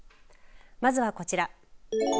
まずはこちら。